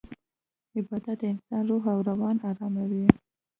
عبادت د انسان روح او روان اراموي.